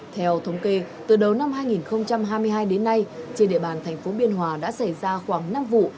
theo thống kê từ đầu năm hai nghìn hai mươi hai đến nay trên địa bàn thành phố biên hòa đã xảy ra khoảng năm vụ